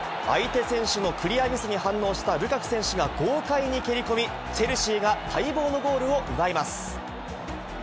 相手選手のクリアミスに反応したルカク選手が豪快に蹴り込み、チェルシーが待望のゴールを奪います。